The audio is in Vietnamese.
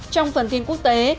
trong phần tin quốc tế